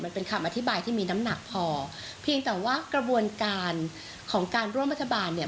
มันเป็นคำอธิบายที่มีน้ำหนักพอเพียงแต่ว่ากระบวนการของการร่วมรัฐบาลเนี่ย